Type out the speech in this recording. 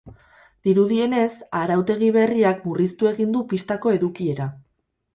Dirudienez, arautegi berriak murriztu egin du pistako edukiera.